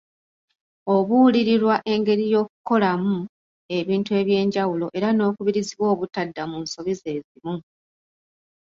Obuulirirwa engeri y'okukolamu ebintu eby'enjawulo era n'okubirizibwa obutadda mu nsobi ze zimu.